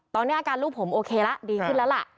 ตอนนี้อาการลูกผมโอเคละดีขึ้นแล้วล่ะ